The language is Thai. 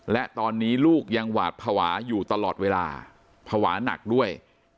และตอนนี้ลูกยังหวาดภาวะอยู่ตลอดเวลาภาวะหนักด้วย